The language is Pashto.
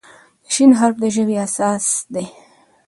د "ش" حرف د ژبې اساس دی.